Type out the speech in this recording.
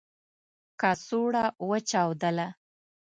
کڅوړه و چاودله .